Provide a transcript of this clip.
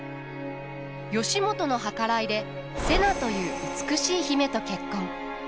義元の計らいで瀬名という美しい姫と結婚。